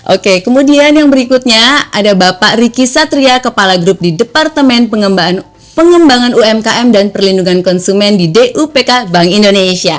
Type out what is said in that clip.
oke kemudian yang berikutnya ada bapak riki satria kepala grup di departemen pengembangan umkm dan perlindungan konsumen di dupk bank indonesia